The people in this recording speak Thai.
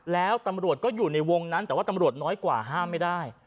แล้วตำรวจก็อยู่ในวงนั้นแต่ว่าตำรวจน้อยกว่าห้ามไม่ได้